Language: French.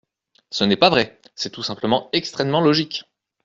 Ce n’est pas vrai ! C’est tout simplement extrêmement logique.